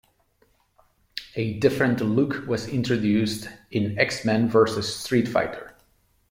A different look was introduced in "X-Men versus Street Fighter".